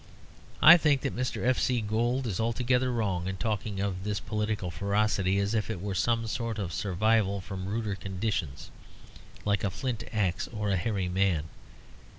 I think that Mr. F.C. Gould is altogether wrong in talking of this political ferocity as if it were some sort of survival from ruder conditions, like a flint axe or a hairy man.